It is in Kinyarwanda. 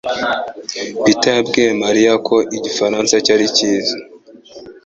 peter yabwiye Mariya ko igifaransa cye ari cyiza.